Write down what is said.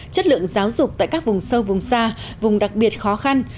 chất lượng giáo dục tại các vùng sâu vùng xa vùng đặc biệt khó khăn